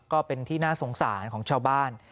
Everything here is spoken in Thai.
ก็เป็นที่น่าสงสารของชาวบ้าน